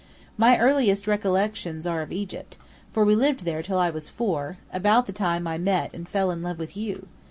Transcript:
My earliest recollections are of Egypt, for we lived there till I was four about the time I met and fell in love with you.